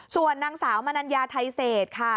ส่วนนางสาวมนัญญาไทยเศษค่ะ